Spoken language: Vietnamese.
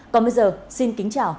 còn bây giờ xin kính chào